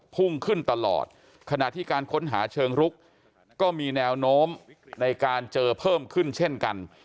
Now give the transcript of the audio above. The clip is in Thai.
พุ่งขึ้นตลอดขณะที่การค้นหาเชิงรุกก็มีแนวโน้มในการเจอเพิ่มขึ้นเช่นกัน